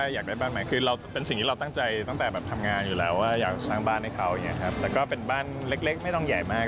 อยากสร้างบ้านให้เขาอย่างเงี้ยครับแต่ก็เป็นบ้านเล็กไม่ต้องใหญ่มาก